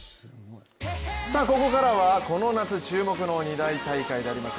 ここからはこの夏注目の二大大会であります